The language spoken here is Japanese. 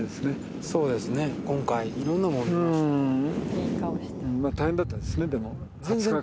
「いい顔してる」